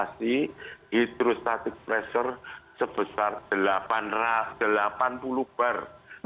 mengatasi hidrostatik pressure sebesar delapan puluh bar